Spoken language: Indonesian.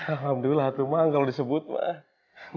alhamdulillah tuh bang kalau disebut bang